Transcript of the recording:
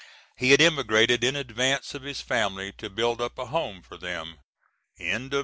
He had emigrated in advance of his family to build up a home for them. CHAPTER V.